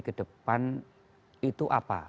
kedepan itu apa